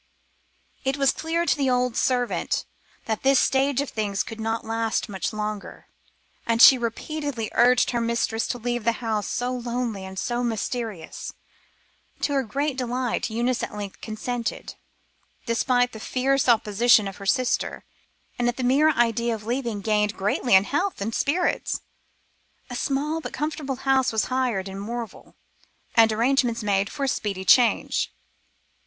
It was clear to the old servant that this state of things could not last much longer, and she repeatedly urged her mistress to leave a house so lonely and so mysterious. To her great delight Eunice at length consented, despite the fierce opposition of her sister, and at the mere idea of leaving gained greatly in health and spirits. A small but comfortable house was hired in Morville, and arrangements made for a speedy change.